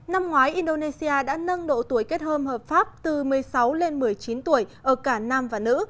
năm ngoái indonesia đã nâng độ tuổi kết hôn hợp pháp từ một mươi sáu lên một mươi chín tuổi ở cả nam và nữ